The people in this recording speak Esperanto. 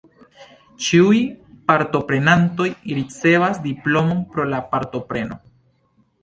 Ĉiuj partoprenantoj ricevas diplomon pro la partopreno.